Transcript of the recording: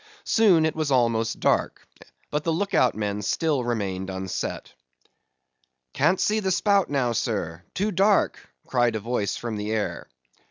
Soon, it was almost dark, but the look out men still remained unset. "Can't see the spout now, sir;—too dark"—cried a voice from the air.